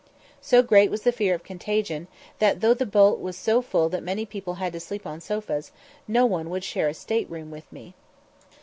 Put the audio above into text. So great was the fear of contagion, that, though the boat was so full that many people had to sleep on sofas, no one would share a state room with me.